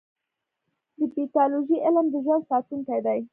د پیتالوژي علم د ژوند ساتونکی دی.